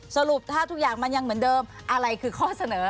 สรุปถ้าทุกอย่างมันยังเหมือนเดิมอะไรคือข้อเสนอ